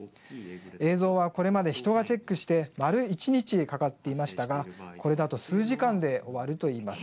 映像はこれまで人がチェックして丸一日かかっていましたがこれだと数時間で終わるといいます。